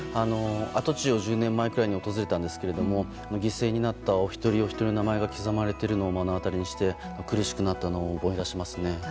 跡地を１０年前くらいに訪れたんですけれども犠牲になったお一人お一人の名前が刻まれているのを目の当たりにして苦しくなったのを思い出しますね。